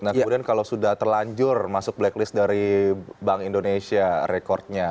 nah kemudian kalau sudah terlanjur masuk blacklist dari bank indonesia rekodnya